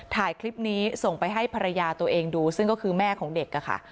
ถ่ายคลิปนี้ส่งไปให้ภรรยาตัวเองดูซึ่งก็คือแม่ของเด็กค่ะ